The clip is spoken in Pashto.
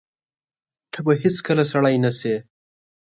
ته به هیڅکله سړی نه شې !